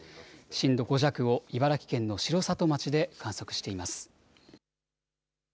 震度５弱を茨城県の城里町で観測しています。